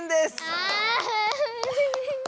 ああ！